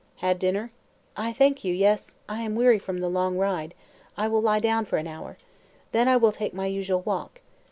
"Had dinner?" "I thank you, yes. I am weary from the long ride. I will lie down for an hour. Then I will take my usual walk.